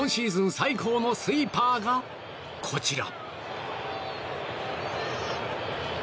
最高のスイーパーがこちら。